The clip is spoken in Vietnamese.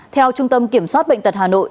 theo trung tâm kiểm soát bệnh tật hà nội